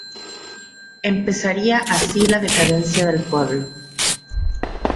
Empezaría así la decadencia del pueblo.